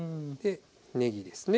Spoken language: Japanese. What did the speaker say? ねぎですね。